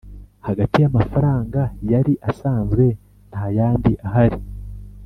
hagati y amafaranga yari asanzwe ntayandi ahari